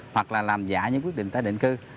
hoặc là làm giả những quyết định tái định cư